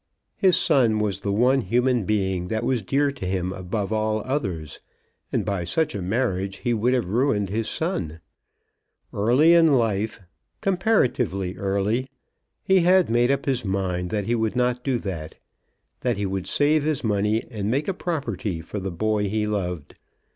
His son was the one human being that was dear to him above all others, and by such a marriage he would have ruined his son. Early in life, comparatively early, he had made up his mind that he would not do that; that he would save his money, and make a property for the boy he loved.